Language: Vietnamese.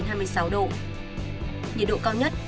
nhiệt độ cao nhất